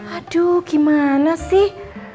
aduh gimana sih